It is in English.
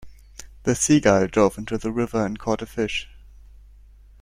The seagull dove into the river and caught a fish.